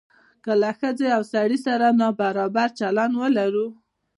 که له ښځې او سړي سره نابرابر چلند ولرو.